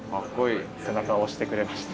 背中を押してくれました。